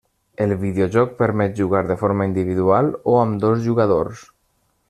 El videojoc permet jugar de forma individual o amb dos jugadors.